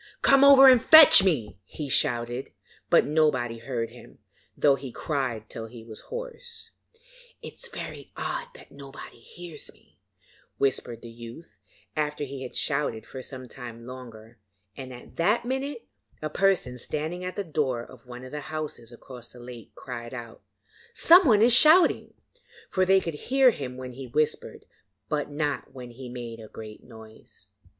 'Come over and fetch me,' he shouted, but nobody heard him, though he cried till he was hoarse. 'It is very odd that nobody hears me,' whispered the youth after he had shouted for some time longer; and at that minute a person standing at the door of one of the houses across the lake cried out: 'Someone is shouting'; for they could hear him when he whispered, but not when he made a great noise.